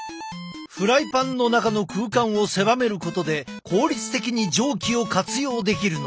フライパンの中の空間を狭めることで効率的に蒸気を活用できるのだ。